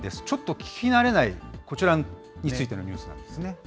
ちょっと聞き慣れない、こちらについてのニュースなんですね。